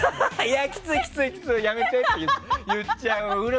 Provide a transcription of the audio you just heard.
きつい、きついやめてって言っちゃう。